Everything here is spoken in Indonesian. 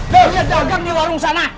saya dagang di warung sana